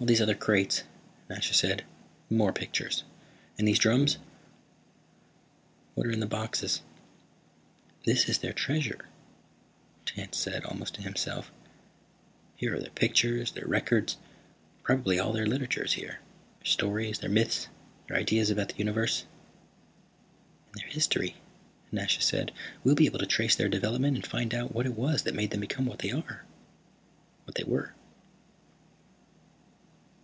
"All these other crates," Nasha said. "More pictures. And these drums. What are in the boxes?" "This is their treasure," Tance said, almost to himself. "Here are their pictures, their records. Probably all their literature is here, their stories, their myths, their ideas about the universe." "And their history," Nasha said. "We'll be able to trace their development and find out what it was that made them become what they were."